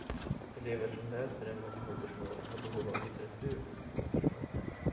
Elever som läser ämnet modersmål har behov av litteratur på sitt modersmål.